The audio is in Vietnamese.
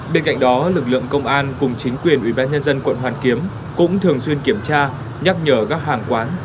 bên cạnh đó lực lượng công an cùng chính quyền ubnd quận hoàn kiếm cũng thường xuyên kiểm tra nhắc nhở các hàng quán